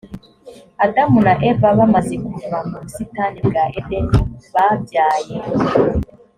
adamu na eva bamaze kuva mu busitani bwa edeni babyaye